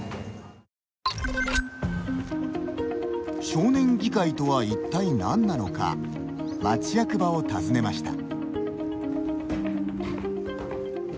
少年議会とは一体何なのか町役場を訪ねました。